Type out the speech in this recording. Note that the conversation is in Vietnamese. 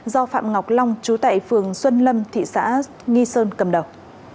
do phạm ngọc long chú tại phường xuân lâm thị xã nghi sơn cầm đầu